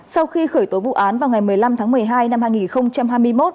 sau khi khởi tố vụ án vào ngày một mươi năm tháng một mươi hai năm hai nghìn hai mươi một